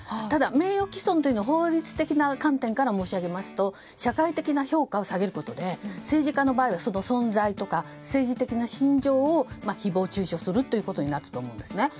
ただ、名誉毀損というのは法律的な観点から申し上げますと社会的な評価を下げることで政治家の場合はその存在とか政治的な信条を誹謗中傷するというふうになると思うんですね。